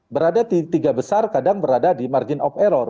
berada tiga besar kadang berada di margin of error